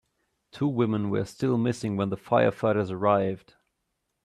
Two women were still missing when the firefighters arrived.